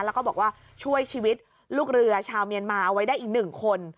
แล้วก็บอกว่าช่วยชีวิตลูกเรือชาวเมียนมาเอาไว้ได้อีก๑คน